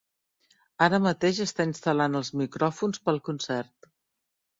Ara mateix està instal·lant els micròfons pel concert.